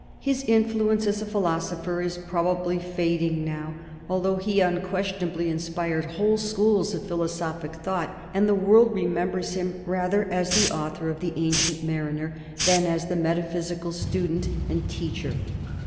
His influence as a philosopher is probably fading now, although he unquestionably inspired whole schools of philosophic thought, and the world remembers him rather as the author of "The Ancient Mariner" than as the metaphysical student and teacher.